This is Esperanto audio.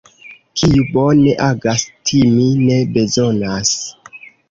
Kiu bone agas, timi ne bezonas.